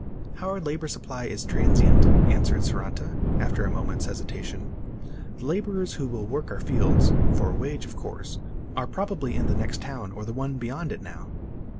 "Our labor supply is transient," answered Saranta after a moment's hesitation. "The laborers who will work our fields for a wage, of course are probably in the next town or the one beyond it now."